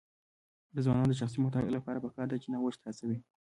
د ځوانانو د شخصي پرمختګ لپاره پکار ده چې نوښت هڅوي.